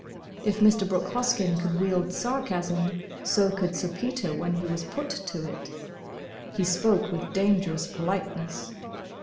If Mr. Brooke Hoskyn could wield sarcasm, so could Sir Peter when he was put to it. He spoke with dangerous politeness.